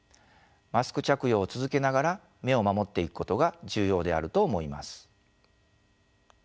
マスク着用を続けながら目を守っていくことが重要であると思います。